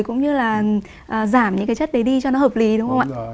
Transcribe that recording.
cũng như là giảm những cái chất đấy đi cho nó hợp lý đúng không ạ